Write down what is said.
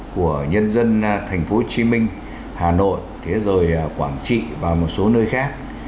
của nhân dân thành phố hồ chí minh hà nội rồi quảng trị và một số nơi khác